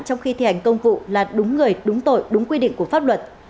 trong khi thi hành công vụ là đúng người đúng tội đúng quy định của pháp luật